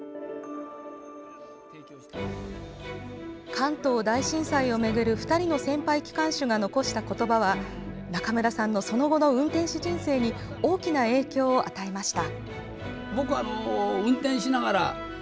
関東大震災を巡る２人の先輩機関手が残した言葉は中村さんのその後の運転士人生に大きな影響を与えました。